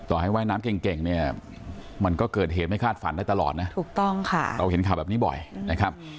ต่อให้ว่าน้ำเก่งเก่งเนี่ยมันก็เกิดเหตุไม่คาดฝันได้ตลอดน่ะ